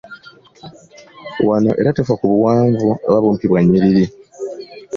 Wano era tofa ku buwanvu oba bumpi bwa nnyiriri.